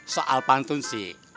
soal pantun sih